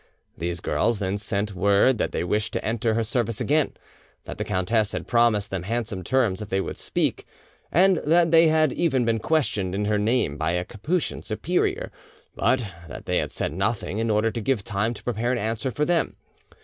These girls then sent word that they wished to enter her service again; that the countess had promised them handsome terms if they would speak; and that they had even been questioned in her name by a Capuchin superior, but that they said nothing, in order to give time to prepare an answer for them.